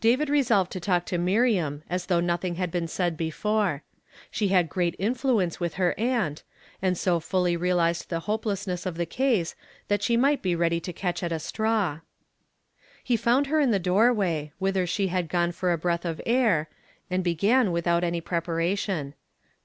David resolved to talk to Miriam as though nothing had been said before. She had great influence with her aunt, and so fully realized the hopelessness of the case that she might be ready to catch at a straw. He found her in the doorway, whither she had gone for a breath of air, and began without any preparation.